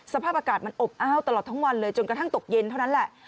สภาพอากาศมันอบอ้าวตลอดทั้งวันเลยจนกระทั่งตกเย็นเท่านั้นแหละ